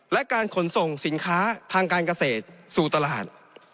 และการขนส่งสินค้าทางการเกษตรสู่ตลาด